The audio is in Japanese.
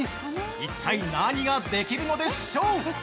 一体、何ができるのでしょう？